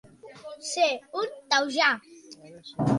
Ser un taujà.